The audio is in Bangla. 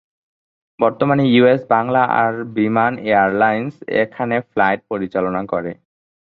বর্তমানে ইউএস বাংলা আর বিমান এয়ারলাইন্স এখানে ফ্লাইট পরিচালনা করে।